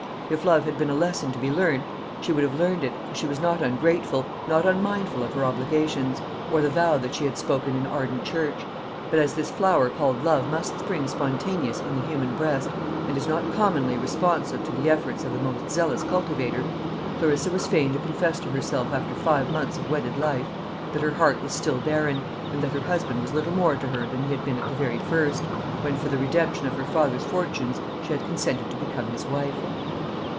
If love had been a lesson to be learnt, she would have learned it, for she was not ungrateful, not unmindful of her obligations, or the vow that she had spoken in Arden Church; but as this flower called love must spring spontaneous in the human breast, and is not commonly responsive to the efforts of the most zealous cultivator, Clarissa was fain to confess to herself after five months of wedded life that her heart was still barren, and that her husband was little more to her than he had been at the very first, when for the redemption of her father's fortunes she had consented to become his wife.